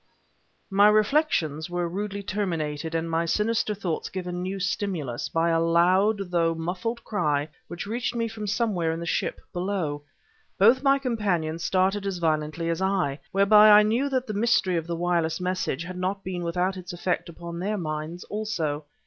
My reflections were rudely terminated and my sinister thoughts given new stimulus, by a loud though muffled cry which reached me from somewhere in the ship, below. Both my companions started as violently as I, whereby I knew that the mystery of the wireless message had not been without its effect upon their minds also.